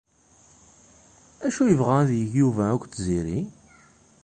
Acu yebɣa ad yeg Yuba akk d Tiziri?